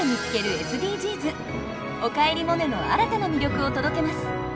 「おかえりモネ」の新たな魅力を届けます。